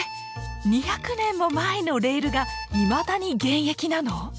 ２００年も前のレールがいまだに現役なの？